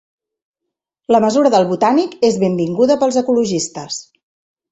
La mesura del Botànic és benvinguda pels ecologistes